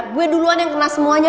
gue duluan yang kena semuanya